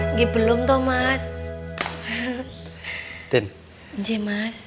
nggak belum mas